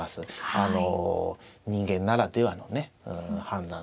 あの人間ならではのね判断